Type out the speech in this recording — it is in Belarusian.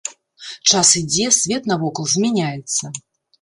Час ідзе, свет навокал змяняецца.